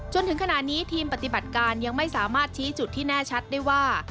จนถึงขณะนี้ทีมปฏิบัติการยังไม่สามารถชี้จุดที่แน่ชัดได้ว่า